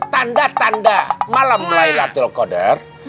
tanda tanda malam laylatul qadar